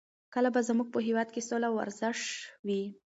کله به زموږ په هېواد کې سوله او ورزش وي؟